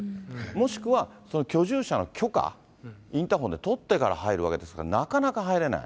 もしくは居住者の許可、インターホンで取ってから入るわけですから、なかなか入れない。